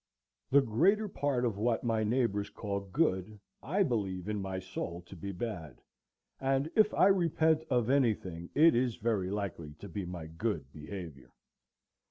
The greater part of what my neighbors call good I believe in my soul to be bad, and if I repent of anything, it is very likely to be my good behavior.